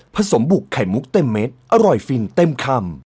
สมบุกไข่มุกเต็มเม็ดอร่อยฟินเต็มคำ